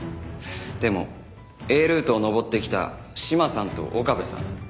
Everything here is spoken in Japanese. でもＡルートを登ってきた島さんと岡部さん